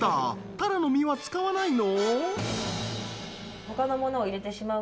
タラの身は使わないの？